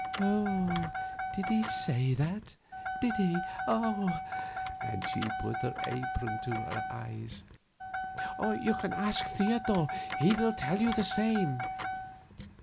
"Did he say that? Did he?" and she put her apron to her eyes. "You can ask Theodor he will tell you the same."